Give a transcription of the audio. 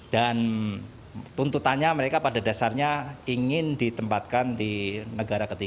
dan tuntutannya mereka pada dasarnya ingin ditempatkan di negara ketiga